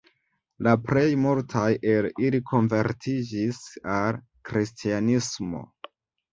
La plej multaj el ili konvertiĝis al kristanismo.